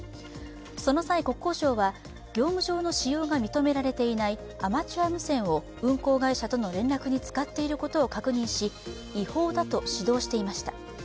その際、国交省は業務上の使用が認められていないアマチュア無線を運航会社との連絡に使っていることを確認し違法だと指導していました。